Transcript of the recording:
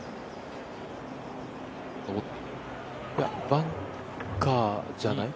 バンカーじゃない？